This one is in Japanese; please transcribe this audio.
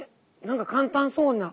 何か簡単そうな。